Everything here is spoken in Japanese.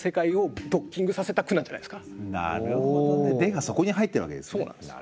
がそこに入ってるわけですね。